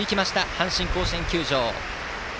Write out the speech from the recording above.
阪神甲子園球場。